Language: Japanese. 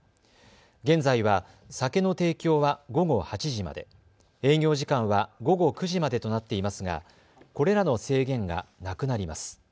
現在は酒の提供は午後８時まで、営業時間は午後９時までとなっていますがこれらの制限がなくなります。